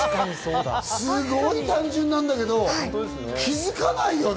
すごい単純なんだけど、気づかないよね。